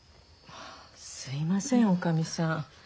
すいませんおかみさん。